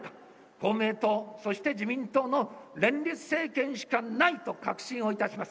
公明党、そして自民党の連立政権しかないと確信をいたします。